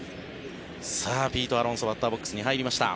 さあ、ピート・アロンソバッターボックスに入りました。